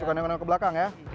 suka nengok nengok ke belakang ya